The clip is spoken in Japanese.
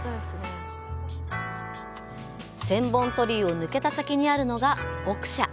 千本鳥居を抜けた先にあるのが奥社。